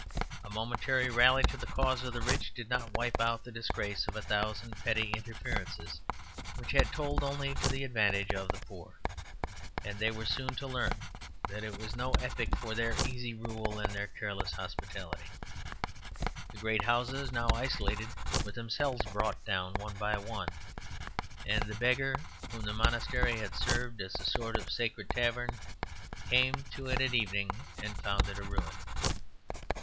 A momentary rally to the cause of the rich did not wipe out the disgrace of a thousand petty interferences which had told only to the advantage of the poor; and they were soon to learn that it was no epoch for their easy rule and their careless hospitality. The great houses, now isolated, were themselves brought down one by one; and the beggar, whom the monastery had served as a sort of sacred tavern, came to it at evening and found it a ruin.